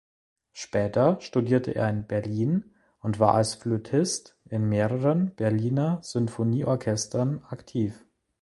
Später studierte er in Berlin und war als Flötist in mehreren Berliner Sinfonieorchestern aktiv.